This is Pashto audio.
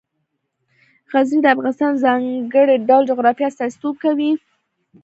غزني د افغانستان د ځانګړي ډول جغرافیه استازیتوب کوي.